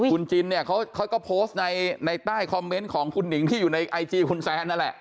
คุณจินเนี่ยเขาก็โพสต์ในใต้คอมเมนต์ของคุณหนิงที่อยู่ในไอจีคุณแซนนั่นแหละ